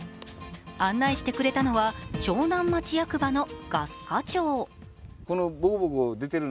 案内してくれたのは長南町役場のガス課長。